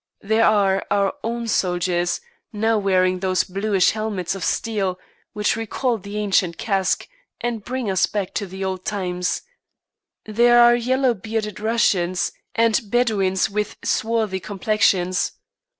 There are our own soldiers, now wearing those bluish helmets of steel, which recall the ancient casque and bring us back to the old times; there are yellow bearded Russians, Indians, and Bedouins with swarthy complexions.